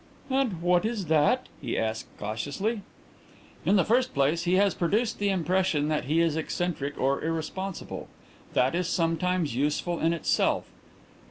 "And what is that?" he asked cautiously. "In the first place he has produced the impression that he is eccentric or irresponsible. That is sometimes useful in itself.